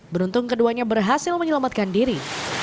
beruntung keduanya berhasil menyelamatkan diri